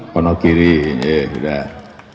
wonogiri ya udah